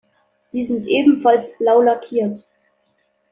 Sie sind ebenfalls blau lackiert.